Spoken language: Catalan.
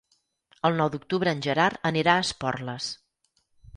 El nou d'octubre en Gerard anirà a Esporles.